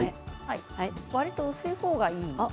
わりと薄い方がいいですかね。